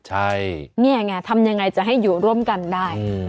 ใช่นี่ไงทำยังไงจะให้อยู่ร่วมกันได้